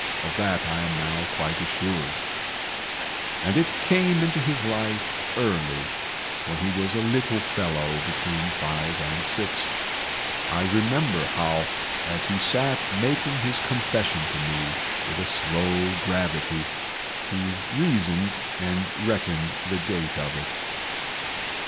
Of that I am now quite assured. And it came into his life early, when he was a little fellow between five and six. I remember how, as he sat making his confession to me with a slow gravity, he reasoned and reckoned the date of it.